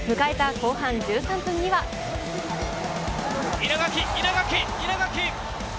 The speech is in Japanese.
稲垣、稲垣、稲垣。